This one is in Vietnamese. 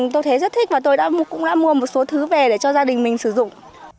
tôi thấy rất thích và tôi cũng đã mua một số thứ về để cho gia đình mình sử dụng